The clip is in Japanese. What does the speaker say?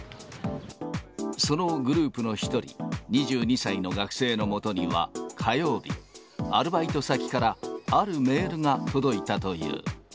そのグループの一人、２２歳の学生のもとには、火曜日、アルバイト先から、あるメールが届いたという。